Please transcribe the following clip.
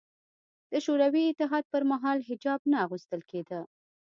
د شوروي اتحاد پر مهال حجاب نه اغوستل کېده